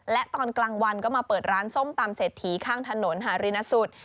และตอนกลางวันก็มาเปิดร้านส้มตำเศรษฐีข้างถนนหารินสุด